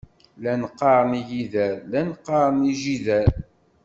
Llan qqaren igider, llan qqaren ijider.